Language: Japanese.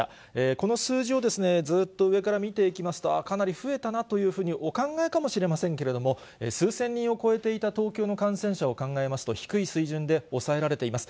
この数字をずっと上から見ていきますと、かなり増えたなというふうにお考えかもしれませんけれども、数千人を超えていた東京の感染者を考えますと、低い水準で抑えられています。